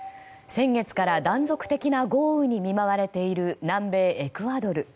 先月から断続的な豪雨に見舞われている南米エクアドル。